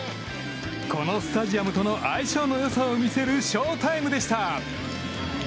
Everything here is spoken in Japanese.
このスタジアムとの相性の良さを見せるショータイムでした。